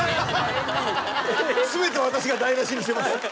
全て私が台無しにしてます。